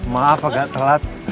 maaf agak telat